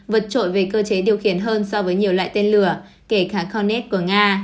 vượt trội về cơ chế điều khiển hơn so với nhiều loại tên lửa kể cả connet của nga